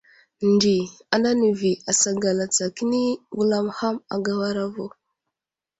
Nde ana nəvi asagala tsa kəni wulam ham agawara vo.